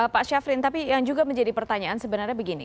pak syafrin tapi yang juga menjadi pertanyaan sebenarnya begini